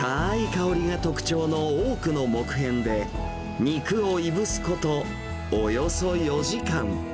香りが特徴のオークの木片で、肉をいぶすことおよそ４時間。